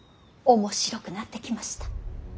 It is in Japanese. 面白くなってきました。